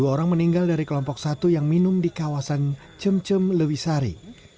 dua orang meninggal dari kelompok satu yang minum di kawasan cemcem lewisari